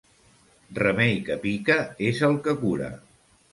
Remei que pica és el que cura.